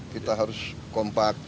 kita harus kompak